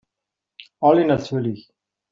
Alle natürlich.